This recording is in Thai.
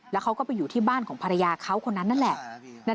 แล้วเขาก็ไปอยู่ที่บ้านของภรรยาเขาคนนั้นนั่นแหละ